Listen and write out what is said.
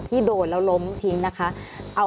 ที่โดนแล้วล้มทิ้งนะคะ